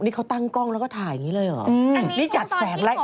นี่เขาตั้งกล้องแล้วก็ถ่ายอย่างนี้เลยเหรอ